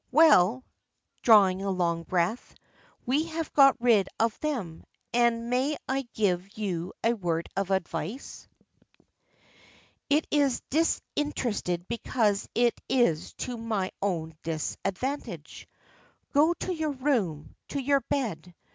Well," drawing a long breath, "we have got rid of them, and may I give you a word of advice? It is disinterested because it is to my own disadvantage. Go to your room to your bed.